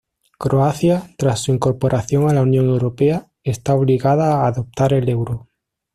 Croacia, tras su incorporación a la Unión Europea, está obligada a adoptar el euro.